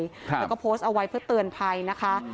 แล้วก็โพสต์เอาไว้เพื่อเตือนภัยนะคะ